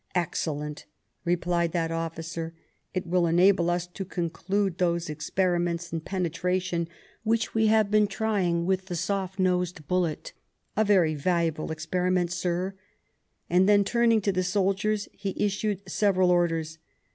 "Excellent," replied that officer; "it will enable us to conclude those experiments in penetration, which we have been trying with the soft nosed bullet. A very valuable experiment, Sir," and then turning to the soldiers he issued several orders.